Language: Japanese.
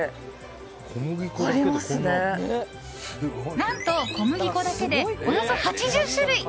何と、小麦粉だけでおよそ８０種類。